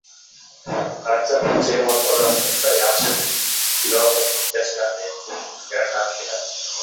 Qancha-qancha yomon odamni esa yaxshi deb. Gunohi — yanglishganning gardaniga!..